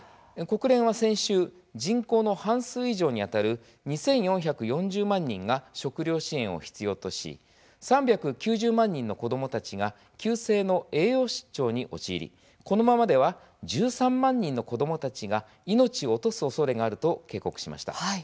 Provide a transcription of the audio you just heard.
国連は先週、人口の半数以上にあたる２４４０万人が食料支援を必要とし３９０万人の子どもたちが急性の栄養失調に陥りこのままでは１３万人の子どもたちが命を落とすおそれがあると警告しました。